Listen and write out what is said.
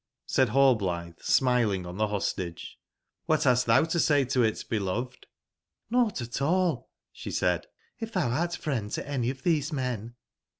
"Said Hallblithe, smiling on the Hostage: ''Qlhat hast thou to say to it, beloved?" '^JVought at all," she said, '*if thou art friend to any of these men.